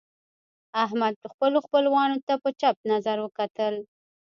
احمد خپلو خپلوانو ته په چپ نظر وکتل.